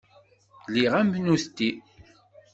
Lliɣ am nutenti.